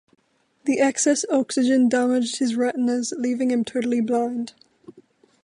The excess oxygen damaged his retinas, leaving him totally blind.